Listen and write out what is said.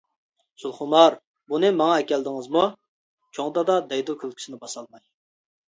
زۇلخۇمار-بۇنى ماڭا ئەكەلدىڭىزمۇ چوڭ دادا دەيدۇ كۈلكىسىنى باسالماي.